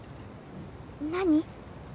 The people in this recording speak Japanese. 何？